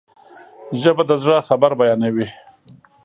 ژبه د زړه خبر بیانوي